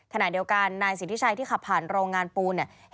ขณะเดียวกันนายสิทธิชัยที่ขับผ่านโรงงานปูเนี่ย